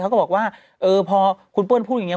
ก็บอกว่าเออพอคุณเปิ้ลพูดอย่างนี้